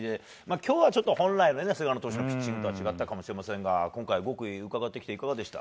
今日はちょっと本来の菅野投手のピッチングとは違ったかもしれませんが今回、極意を伺ってきてどうでした？